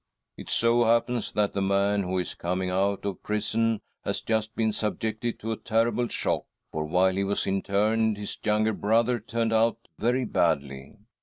" It so happens that the man who is coming out of prison has just been subjected to a terrible shock, for while he was interned his younger brother turned out very badly.